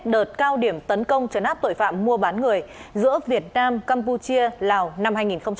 đợt cao điểm tấn công chấn áp tội phạm mua bán người giữa việt nam campuchia lào năm hai nghìn một mươi tám